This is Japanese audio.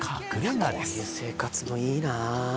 こういう生活もいいなぁ。